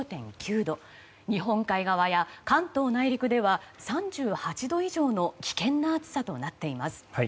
日本海側や関東内陸では３８度以上の危険な暑さとなっています。